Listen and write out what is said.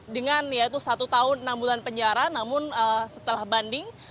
dengan yaitu satu tahun enam bulan penjara namun setelah banding